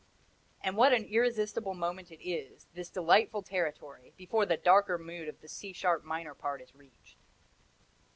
And what an irresistible moment it is, this delightful territory, before the darker mood of the C sharp minor part is reached!